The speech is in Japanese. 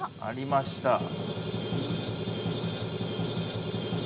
ありました。